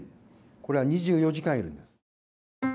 これは２４時間いるんです。